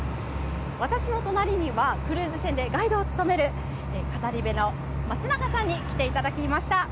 私の隣にはクルーズ船でガイドを務める語り部の松永さんに来ていただきました。